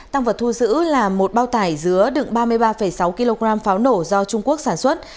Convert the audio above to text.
tăng vật thu giữ là một bao tải dứa đựng ba mươi ba sáu kg pháo nổ do trung quốc sản xuất